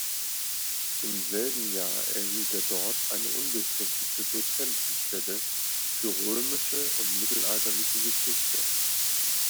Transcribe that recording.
Im selben Jahr erhielt er dort eine unbefristete Dozentenstelle für römische und mittelalterliche Geschichte.